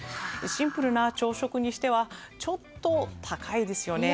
シンプルな朝食にしてはちょっと高いですよね？